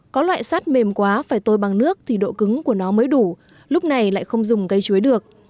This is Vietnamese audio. có loại sắt mềm quá phải tôi bằng nước thì độ cứng của nó mới đủ lúc này lại không dùng cây chuối được